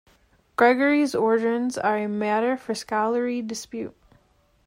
Gregory's origins are a matter for scholarly dispute.